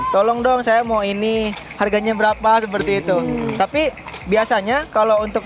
tolong dong saya mau ini harganya berapa seperti itu tapi biasanya kalau untuk